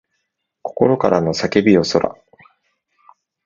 心からの叫びよそら